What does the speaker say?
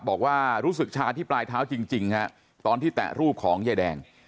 บอกว่ารู้สึกชาที่ปลายเท้าจริงฮะตอนที่แตะรูปของยายแดง